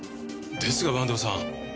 ですが坂東さん。